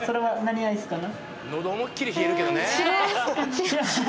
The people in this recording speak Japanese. のど思いっきり冷えるけどね。